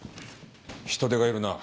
人手がいるな。